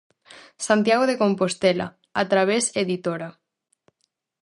Santiago de Compostela, Através Editora.